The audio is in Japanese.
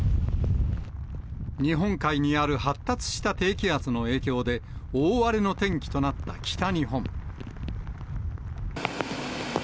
日本海にある発達した低気圧の影響で、大荒れの天気となった北日本。